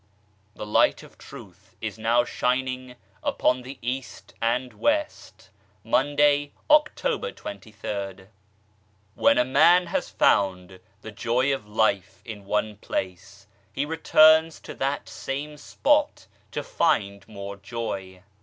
THE LIGHT OF TRUTH IS NOW SHINING UPON THE EAST AND WEST Monday, October zyrd. XT7HEN a man has found the joy of life in one place, he returns to that same spot to find more joy.